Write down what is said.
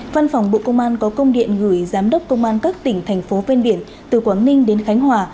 văn phòng bộ công an có công điện gửi giám đốc công an các tỉnh thành phố ven biển từ quảng ninh đến khánh hòa